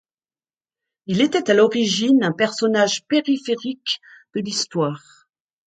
Il était à l'origine un personnage périphérique de l'histoire.